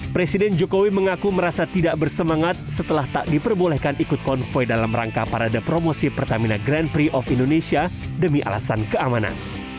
presiden jokowi mengaku merasa tidak bersemangat setelah tak diperbolehkan ikut konvoy dalam rangka parade promosi pertamina grand prix of indonesia demi alasan keamanan